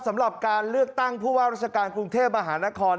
สำหรับการเลือกตั้งผู้ว่าราชการกรุงเทพมหานคร